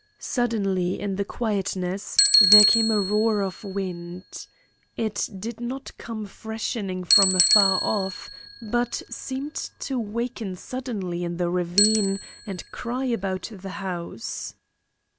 Suddenly in the quietness there came a roar of wind. It did not come freshening from afar off, but seemed to waken suddenly in the ravine and cry about the house.